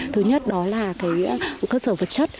thứ nhất đó là cơ sở vật chất